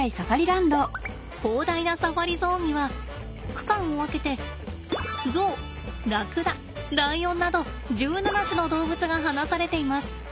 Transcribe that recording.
広大なサファリゾーンには区間を分けてゾウラクダライオンなど１７種の動物が放されています。